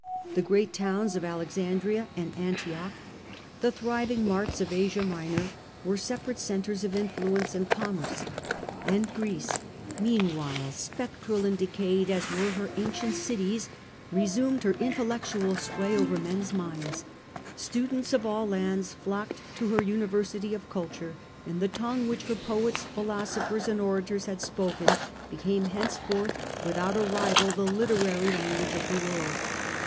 The great towns of Alexandria and Antioch, the thriving marts of Asia Minor, were separate centres of influence and commerce ; and Greece, meanwhile, spectral and decayed as were her ancient cities, resumed her intellectual sway over men^s minds, students of all lands flocked to her university of cul ture, and the tongue which her poets, philosophers, and orators had spoken became henceforth without a rival the literary language of the world.